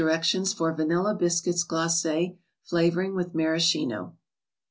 rections for "Vanilla Biscuits Glaces," flavoring with Maraschino.